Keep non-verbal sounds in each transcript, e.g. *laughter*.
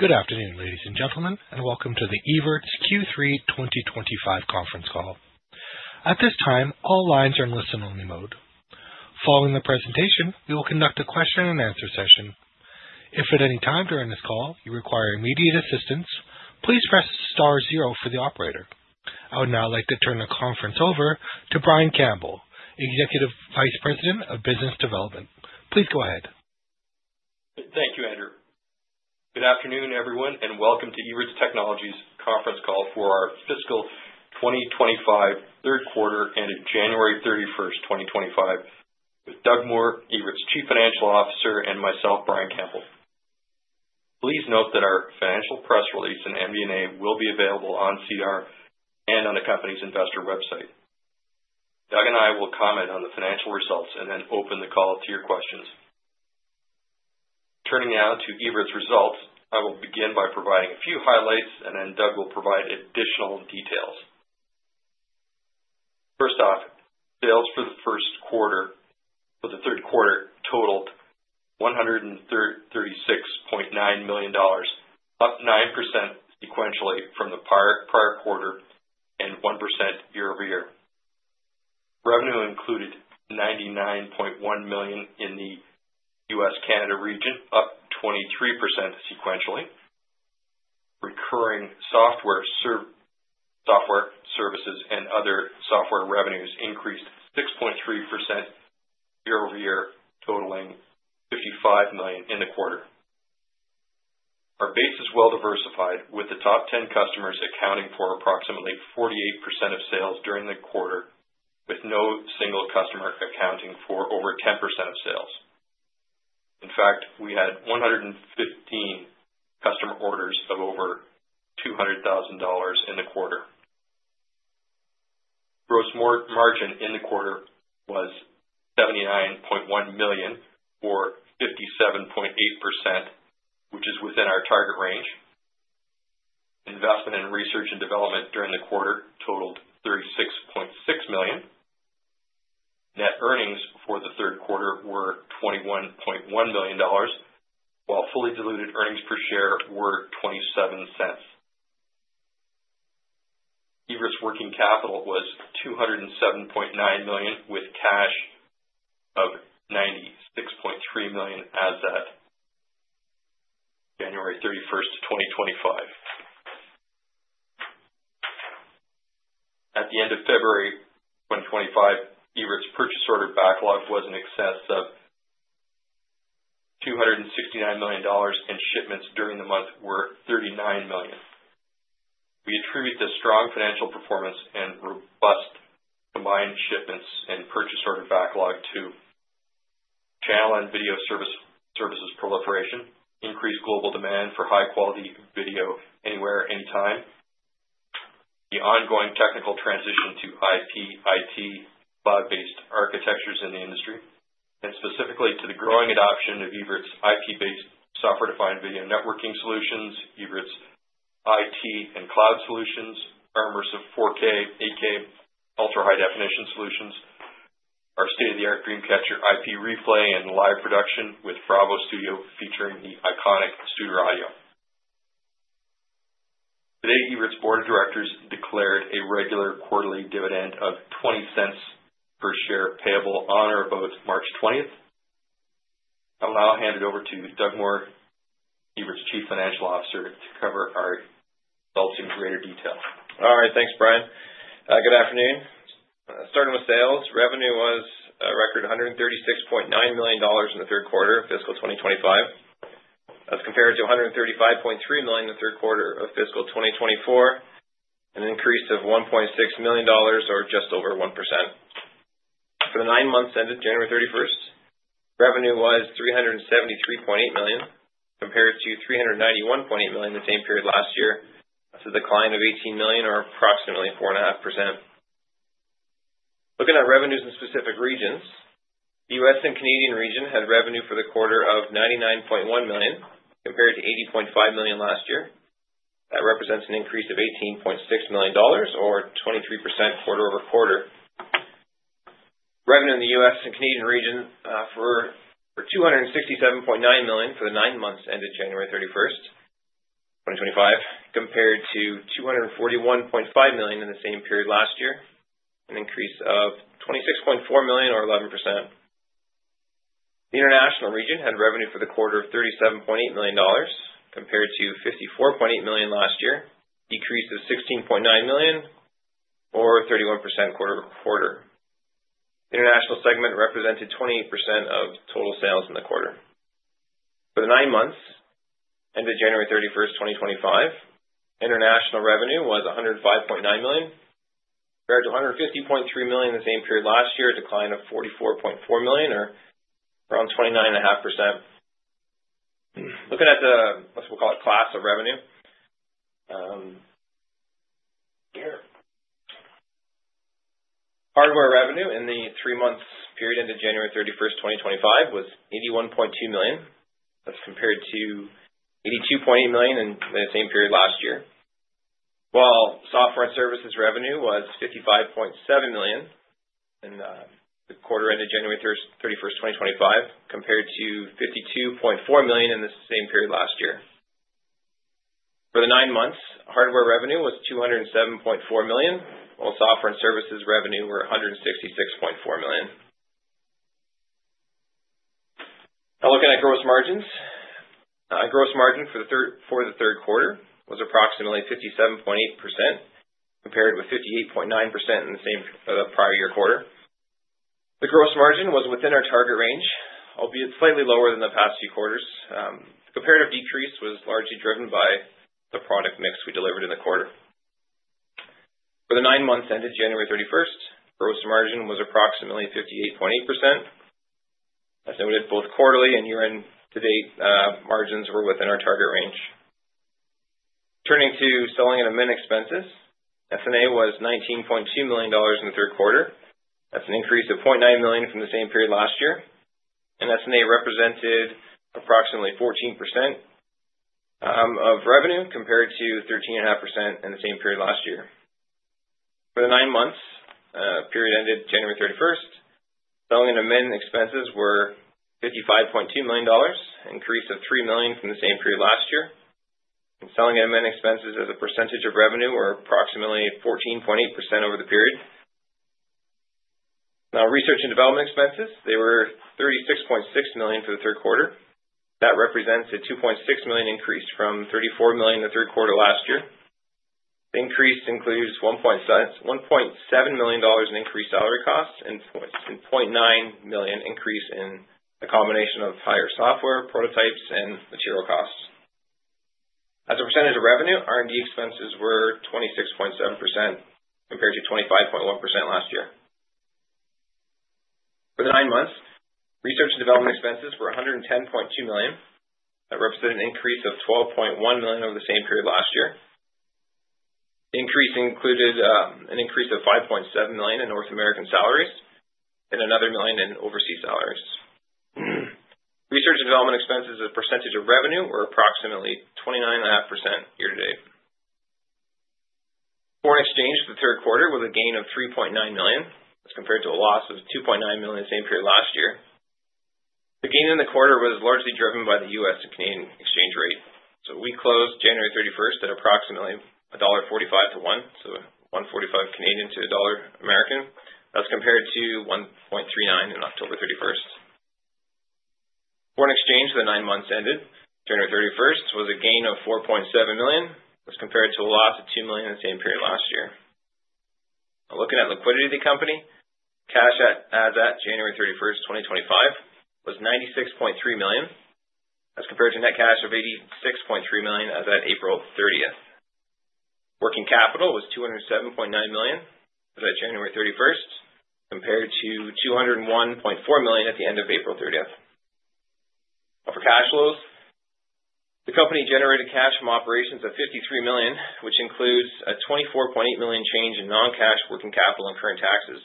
Good afternoon, ladies and gentlemen, and welcome to the Evertz Q3 2025 Conference Call. At this time, all lines are in listen-only mode. Following the presentation, we will conduct a question-and-answer session. If at any time during this call you require immediate assistance, please press star zero for the operator. I would now like to turn the conference over to Brian Campbell, Executive Vice President of Business Development. Please go ahead. Thank you, Andrew. Good afternoon, everyone, and welcome to Evertz Technologies' Conference Call for our Fiscal 2025 Q3 ended January 31st, 2025, with Doug Moore, Evertz Chief Financial Officer, and myself, Brian Campbell. Please note that our financial press release and MD&A will be available on CR and on the company's investor website. Doug and I will comment on the financial results and then open the call to your questions. Turning now to Evertz results, I will begin by providing a few highlights, and then Doug will provide additional details. First off, sales for the Q3 totaled 136.9 million dollars, up 9% sequentially from the prior quarter and 1% year-over-year. Revenue included 99.1 million in the US-Canada region, up 23% sequentially. Recurring software services and other software revenues increased 6.3% year-over-year, totaling 55 million in the quarter. Our base is well diversified, with the top 10 customers accounting for approximately 48% of sales during the quarter, with no single customer accounting for over 10% of sales. In fact, we had 115 customer orders of over 200,000 dollars in the quarter. Gross margin in the quarter was 79.1 million, or 57.8%, which is within our target range. Investment in research and development during the quarter totaled 36.6 million. Net earnings for the Q3 were 21.1 million dollars, while fully diluted earnings per share were 0.27. Evertz working capital was 207.9 million, with cash of 96.3 million as of January 31st, 2025. At the end of February 2025, Evertz purchase order backlog was in excess of 269 million dollars, and shipments during the month were 39 million. We attribute the strong financial performance and robust combined shipments and purchase order backlog to channel and video services proliferation, increased global demand for high-quality video anywhere, anytime, the ongoing technical transition to IP IT cloud-based architectures in the industry, and specifically to the growing adoption of Evertz IP-based software-defined video networking solutions, Evertz IT and cloud solutions, our immersive 4K, 8K ultra-high-definition solutions, our state-of-the-art DreamCatcher IP replay and live production with Bravo Studio featuring the iconic Studer audio. Today, Evertz Board of Directors declared a regular quarterly dividend of 0.20 per share payable on or about March 20th. I will now hand it over to Doug Moore, Evertz Chief Financial Officer, to cover our results in greater detail. All right. Thanks, Brian. Good afternoon. Starting with sales, revenue was a record 136.9 million dollars in the Q3 of fiscal 2025, as compared to 135.3 million in the Q3 of fiscal 2024, an increase of 1.6 million dollars, or just over 1%. For the nine months ended January 31st, revenue was 373.8 million, compared to 391.8 million the same period last year, a decline of 18 million, or approximately 4.5%. Looking at revenues in specific regions, the U.S. and Canadian region had revenue for the quarter of 99.1 million, compared to 80.5 million last year. That represents an increase of 18.6 million dollars, or 23% quarter over quarter. Revenue in the U.S. and Canadian region was 267.9 million for the nine months ended January 31st, 2025, compared to 241.5 million in the same period last year, an increase of 26.4 million, or 11%. The international region had revenue for the quarter of 37.8 million dollars, compared to 54.8 million last year, decreased to 16.9 million, or 31% quarter over quarter. The international segment represented 28% of total sales in the quarter. For the nine months ended January 31, 2025, international revenue was 105.9 million, compared to 150.3 million in the same period last year, a decline of 44.4 million, or around 29.5%. Looking at the, let's call it, class of revenue, hardware revenue in the three-month period ended January 31st, 2025, was 81.2 million, as compared to 82.8 million in the same period last year, while software and services revenue was 55.7 million in the quarter ended January 31st, 2025, compared to 52.4 million in the same period last year. For the nine months, hardware revenue was 207.4 million, while software and services revenue were 166.4 million. Now, looking at gross margins, gross margin for the Q3 was approximately 57.8%, compared with 58.9% in the same prior year quarter. The gross margin was within our target range, albeit slightly lower than the past few quarters. The comparative decrease was largely driven by the product mix we delivered in the quarter. For the nine months ended January 31st, gross margin was approximately 58.8%. As noted, both quarterly and year-end to date margins were within our target range. Turning to selling and admin expenses, S&A was 19.2 million dollars in the Q3. that is an increase of 0.9 million from the same period last year. S&A represented approximately 14% of revenue, compared to 13.5% in the same period last year. For the nine months, period ended January 31st, selling and admin expenses were 55.2 million dollars, an increase of 3 million from the same period last year. Selling and admin expenses as a percentage of revenue were approximately 14.8% over the period. Now, research and development expenses, they were 36.6 million for the Q3. That represents a 2.6 million increase from 34 million in the Q3 last year. The increase includes 1.7 million dollars in increased salary costs and 0.9 million increase in a combination of higher software, prototypes, and material costs. As a percentage of revenue, R&D expenses were 26.7%, compared to 25.1% last year. For the nine months, research and development expenses were 110.2 million. That represented an increase of 12.1 million over the same period last year. The increase included an increase of 5.7 million in North American salaries and another 1 million in overseas salaries. Research and development expenses as a percentage of revenue were approximately 29.5% year to date. Foreign exchange for the Q3 was a gain of 3.9 million, as compared to a loss of 2.9 million the same period last year. The gain in the quarter was largely driven by the US and Canadian exchange rate. We closed January 31 at approximately dollar 1.45 to 1, so 1.45 Canadian to $2, as compared to 1.39 on October 31. Foreign exchange for the nine months ended January 31 was a gain of 4.7 million, as compared to a loss of 2 million the same period last year. Looking at liquidity of the company, cash as at January 31st, 2025, was 96.3 million, as compared to net cash of 86.3 million as at April 30th. Working capital was 207.9 million as at January 31st, compared to 201.4 million at the end of April 30th. Now, for cash flows, the company generated cash from operations of 53 million, which includes a 24.8 million change in non-cash working capital and current taxes.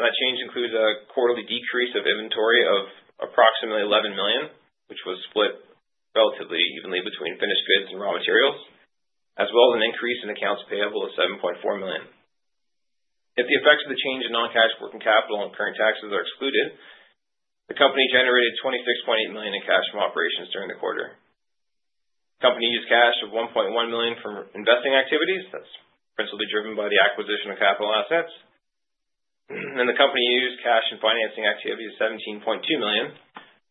That change includes a quarterly decrease of inventory of approximately 11 million, which was split relatively evenly between finished goods and raw materials, as well as an increase in accounts payable of 7.4 million. If the effects of the change in non-cash working capital and current taxes are excluded, the company generated 26.8 million in cash from operations during the quarter. The company used cash of 1.1 million from investing activities. That is principally driven by the acquisition of capital assets. The company used cash in financing activities of 17.2 million,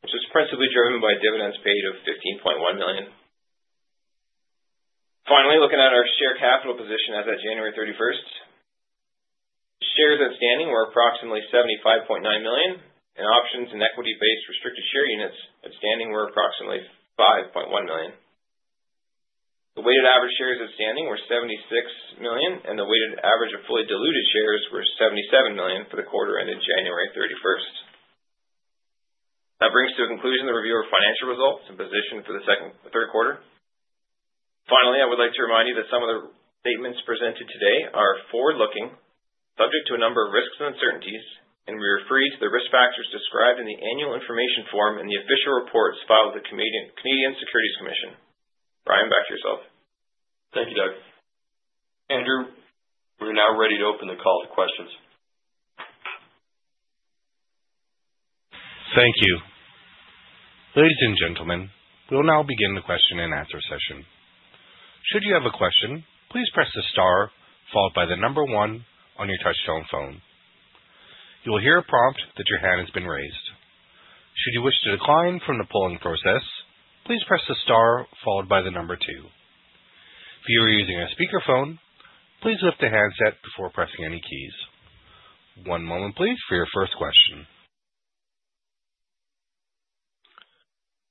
which was principally driven by dividends paid of 15.1 million. Finally, looking at our share capital position as of January 31st, shares outstanding were approximately 75.9 million, and options and equity-based restricted share units outstanding were approximately 5.1 million. The weighted average shares outstanding were 76 million, and the weighted average of fully diluted shares were 77 million for the quarter ended January 31st. That brings to a conclusion the review of our financial results and position for the Q3. Finally, I would like to remind you that some of the statements presented today are forward-looking, subject to a number of risks and uncertainties, and we refer you to the risk factors described in the annual information form and the official reports filed with the Canadian Securities Commission. Brian, back to yourself. Thank you, Doug. Andrew, we're now ready to open the call to questions. Thank you. Ladies and gentlemen, we'll now begin the question and answer session. Should you have a question, please press the star followed by the number one on your touchstone phone. You will hear a prompt that your hand has been raised. Should you wish to decline from the polling process, please press the star followed by the number two. If you are using a speakerphone, please lift the handset before pressing any keys. One moment, please, for your first question.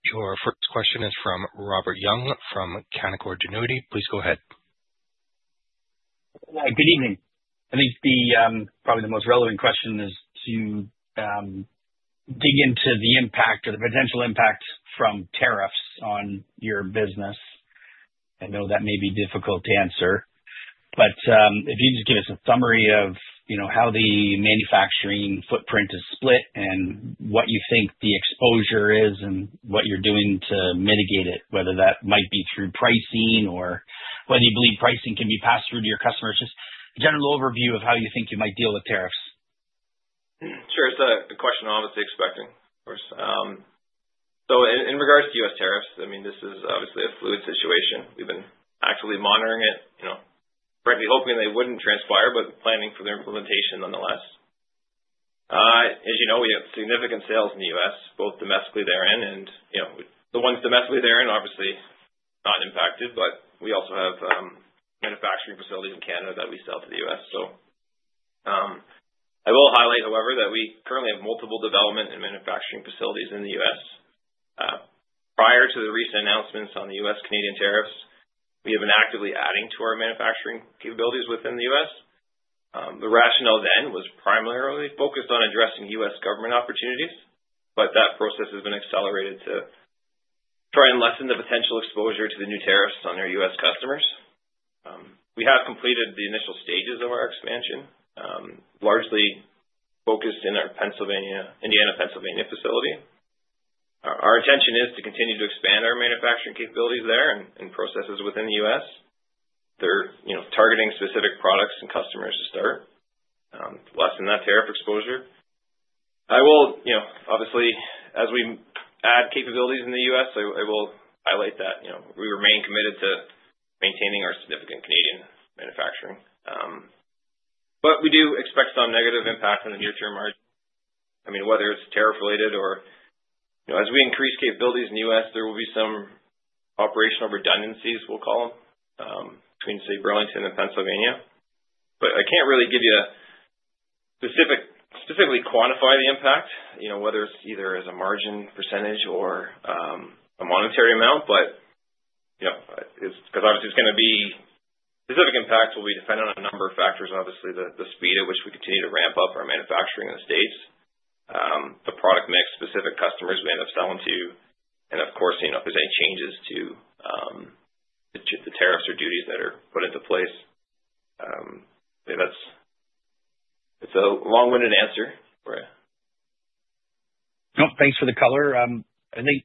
Your first question is from Robert Young from Canaccord Genuity. Please go ahead. Good evening. I think probably the most relevant question is to dig into the impact or the potential impact from tariffs on your business. I know that may be difficult to answer, but if you just give us a summary of how the manufacturing footprint is split and what you think the exposure is and what you're doing to mitigate it, whether that might be through pricing or whether you believe pricing can be passed through to your customers. Just a general overview of how you think you might deal with tariffs. Sure. It's a question I'm obviously expecting, of course. In regards to U.S. tariffs, I mean, this is obviously a fluid situation. We've been actively monitoring it, frankly hoping they wouldn't transpire, but planning for their implementation nonetheless. As you know, we have significant sales in the U.S., both domestically therein and the ones domestically therein, obviously not impacted, but we also have manufacturing facilities in Canada that we sell to the U.S. I will highlight, however, that we currently have multiple development and manufacturing facilities in the U.S. Prior to the recent announcements on the U.S.-Canadian tariffs, we have been actively adding to our manufacturing capabilities within the U.S. The rationale then was primarily focused on addressing U.S. government opportunities, but that process has been accelerated to try and lessen the potential exposure to the new tariffs on our U.S. customers. We have completed the initial stages of our expansion, largely focused in our Indiana, Pennsylvania facility. Our intention is to continue to expand our manufacturing capabilities there and processes within the U.S. They're targeting specific products and customers to start, lessen that tariff exposure. I will, obviously, as we add capabilities in the U.S., I will highlight that we remain committed to maintaining our significant Canadian manufacturing. I mean, whether it's tariff-related or as we increase capabilities in the U.S., there will be some operational redundancies, we'll call them, between, say, Burlington and Pennsylvania. I can't really give you a specifically quantify the impact, whether it's either as a margin percentage or a monetary amount, because obviously it's going to be specific impacts, will be dependent on a number of factors, obviously the speed at which we continue to ramp up our manufacturing in the states, the product mix, specific customers we end up selling to, and of course, if there's any changes to the tariffs or duties that are put into place. It's a long-winded answer. No, thanks for the color. I think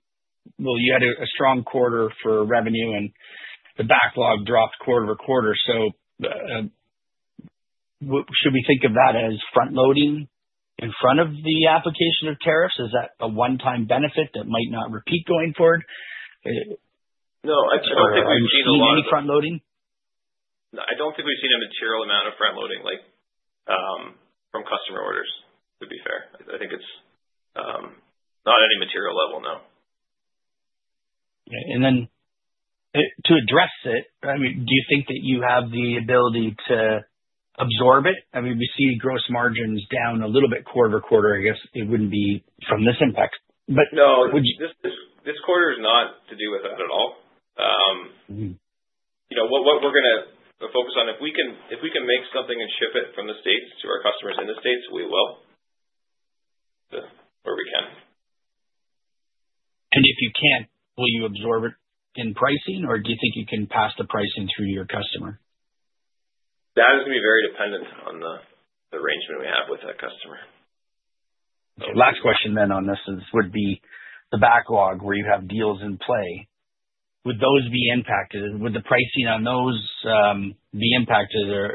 you had a strong quarter for revenue, and the backlog dropped quarter to quarter. Should we think of that as front-loading in front of the application of tariffs? Is that a one-time benefit that might not repeat going forward? *crosstalk* No, I don't think we've seen a lot. Do you see any front-loading? No, I don't think we've seen a material amount of front-loading from customer orders, to be fair. I think it's not at any material level, no. To address it, I mean, do you think that you have the ability to absorb it? I mean, we see gross margins down a little bit quarter to quarter. I guess it would not be from this impact, but would you? No, this quarter is not to do with that at all. What we're going to focus on, if we can make something and ship it from the states to our customers in the states, we will where we can. If you can't, will you absorb it in pricing, or do you think you can pass the pricing through to your customer? That is going to be very dependent on the arrangement we have with that customer. Last question then on this would be the backlog where you have deals in play. Would those be impacted? Would the pricing on those be impacted, or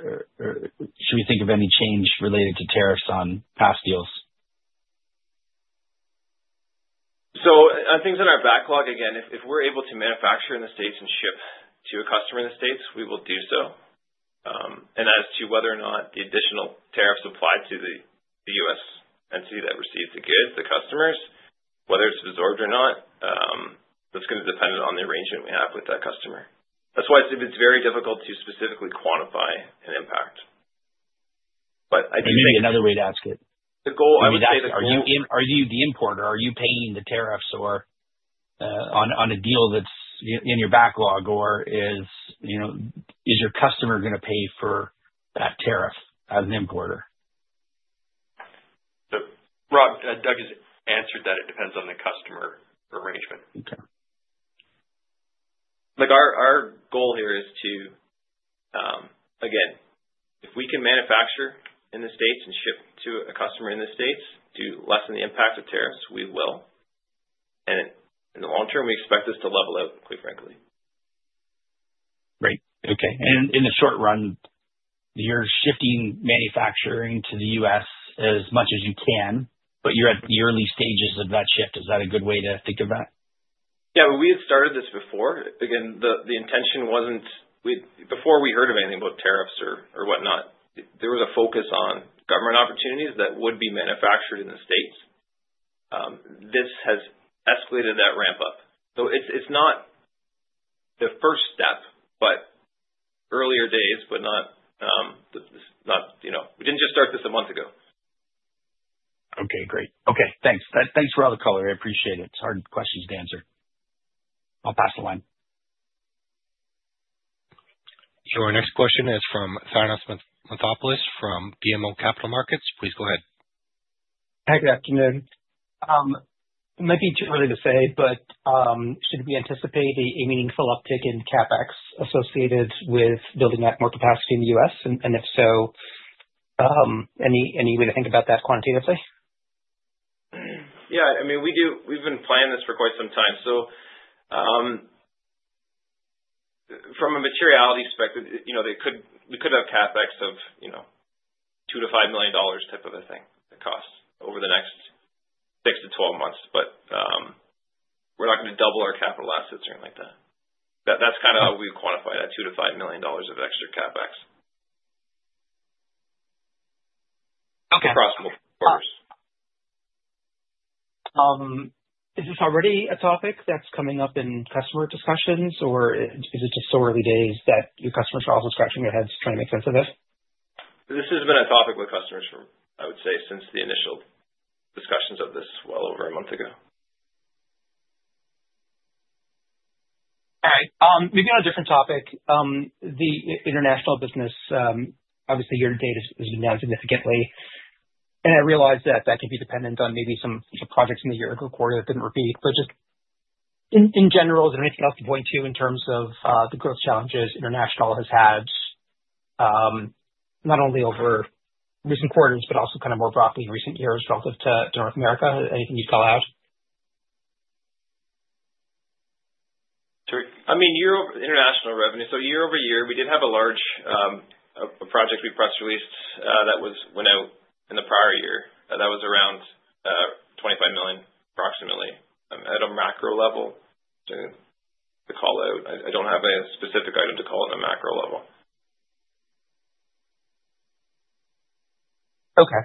should we think of any change related to tariffs on past deals? On things in our backlog, again, if we're able to manufacture in the U.S. and ship to a customer in the U.S., we will do so. As to whether or not the additional tariffs apply to the U.S. entity that receives the goods, the customers, whether it's absorbed or not, that's going to depend on the arrangement we have with that customer. That's why it's very difficult to specifically quantify an impact. I do think. Give me another way to ask it. The goal, I would say, is clear. Are you the importer? Are you paying the tariffs on a deal that's in your backlog, or is your customer going to pay for that tariff as an importer? Doug has answered that it depends on the customer arrangement. Our goal here is to, again, if we can manufacture in the states and ship to a customer in the states to lessen the impact of tariffs, we will. In the long term, we expect this to level out, quite frankly. Great. Okay. In the short run, you're shifting manufacturing to the US as much as you can, but you're at the early stages of that shift. Is that a good way to think of that? Yeah, we had started this before. Again, the intention was not before we heard of anything about tariffs or whatnot, there was a focus on government opportunities that would be manufactured in the states. This has escalated that ramp-up. It is not the first step, but earlier days, but we did not just start this a month ago. Okay. Great. Okay. Thanks. Thanks for all the color. I appreciate it. It's hard questions to answer. I'll pass the line. Sure. Next question is from Thanos Moschopoulos from BMO Capital Markets. Please go ahead. Hi, good afternoon. It might be too early to say, but should we anticipate a meaningful uptick in CapEx associated with building out more capacity in the U.S.? If so, any way to think about that quantitatively? Yeah. I mean, we've been planning this for quite some time. From a materiality perspective, we could have CapEx of 2 million-5 million dollars type of a thing, the cost, over the next 6-12 months, but we're not going to double our capital assets or anything like that. That's kind of how we quantify that, 2 million-5 million dollars of extra CapEx across multiple quarters. Is this already a topic that's coming up in customer discussions, or is it just so early days that your customers are also scratching their heads trying to make sense of it? This has been a topic with customers, I would say, since the initial discussions of this well over a month ago. All right. Moving on a different topic, the international business, obviously, your data has been down significantly. I realize that that could be dependent on maybe some projects in the year or quarter that did not repeat. Just in general, is there anything else to point to in terms of the growth challenges international has had, not only over recent quarters, but also kind of more broadly in recent years relative to North America? Anything you would call out? I mean, international revenue. year-over-year, we did have a large project we press released that went out in the prior year. That was around 25 million, approximately, at a macro level, to call out. I don't have a specific item to call at a macro level. Okay.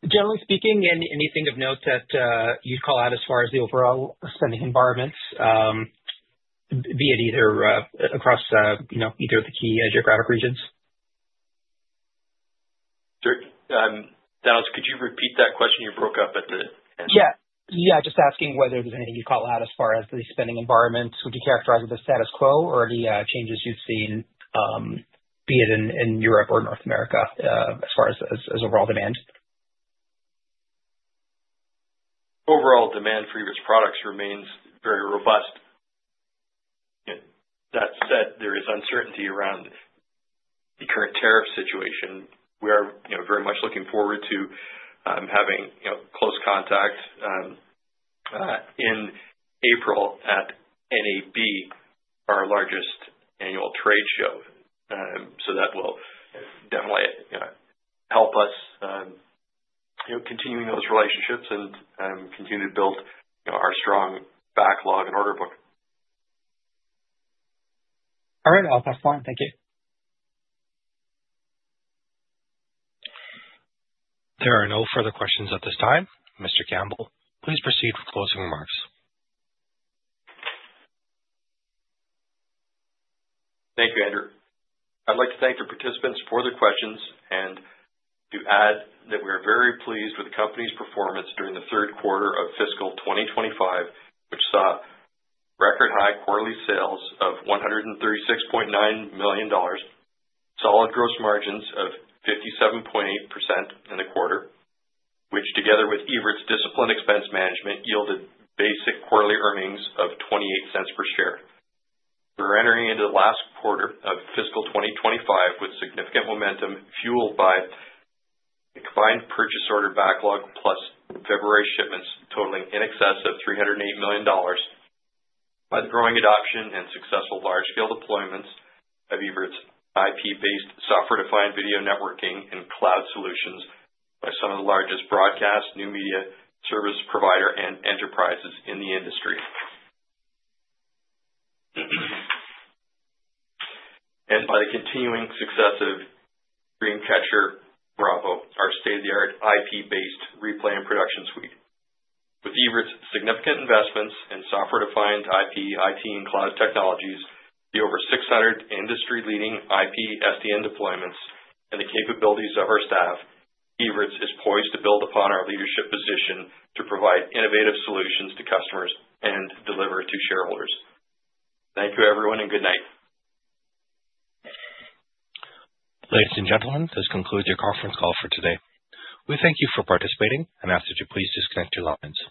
Generally speaking, anything of note that you'd call out as far as the overall spending environments, be it across either of the key geographic regions? Sure. Thanos, could you repeat that question? You broke up at the end. Yeah. Yeah. Just asking whether there's anything you'd call out as far as the spending environments. Would you characterize it as status quo or any changes you've seen, be it in Europe or North America, as far as overall demand? Overall demand for US products remains very robust. That said, there is uncertainty around the current tariff situation. We are very much looking forward to having close contact in April at NAB, our largest annual trade show. That will definitely help us continue those relationships and continue to build our strong backlog and order book. All right. I'll pass the line. Thank you. There are no further questions at this time. Mr. Campbell, please proceed with closing remarks. Thank you, Andrew. I'd like to thank the participants for their questions and to add that we are very pleased with the company's performance during the Q3 of Fiscal 2025, which saw record-high quarterly sales of 136.9 million dollars, solid gross margins of 57.8% in the quarter, which together with Evertz's disciplined expense management yielded basic quarterly earnings of 0.28 per share. We're entering into the last quarter of fiscal 2025 with significant momentum fueled by the combined purchase order backlog plus February shipments totaling in excess of 308 million dollars, by the growing adoption and successful large-scale deployments of Evertz's IP-based software-defined video networking and cloud solutions by some of the largest broadcast, new media service provider and enterprises in the industry, and by the continuing success of Dreamcatcher Bravo, our state-of-the-art IP-based replay and production suite. With Evertz's significant investments in software-defined IP, IT, and cloud technologies, the over 600 industry-leading IP SDN deployments, and the capabilities of our staff, Evertz is poised to build upon our leadership position to provide innovative solutions to customers and deliver to shareholders. Thank you, everyone, and good night. Ladies and gentlemen, this concludes your conference call for today. We thank you for participating and ask that you please disconnect your lines.